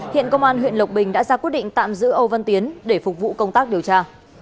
hiện công an huyện lộc bình đã ra quyết định tạm giữ âu văn tiến để phục vụ công tác điều tra